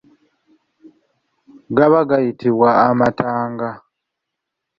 Gaba gayitibwa amatanga.